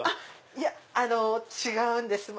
いや違うんです。